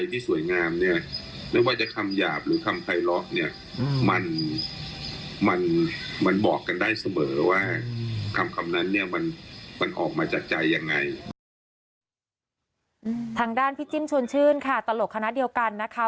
ทางด้านพี่จิ้มชวนชื่นค่ะตลกคณะเดียวกันนะคะ